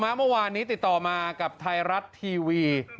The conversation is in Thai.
เมื่อวานนี้ติดต่อมากับไทยรัฐทีวี